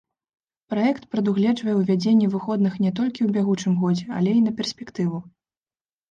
Праект прадугледжвае ўвядзенне выходных не толькі ў бягучым годзе, але і на перспектыву.